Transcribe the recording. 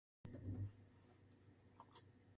Quan anava a missa sempre acabava pesant figues